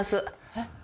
えっ？